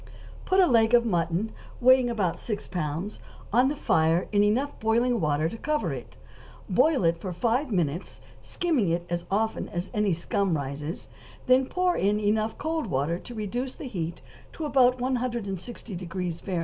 = Put a leg of mutton, weighing about six pounds, on the fire in enough boiling hot water to cover it; boil it for five minutes, skimming it as often as any scum rises, then pour in enough cold water to reduce the heat to about 160° Fahr.